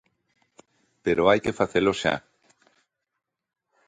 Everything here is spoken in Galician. Pero hai que facelo xa.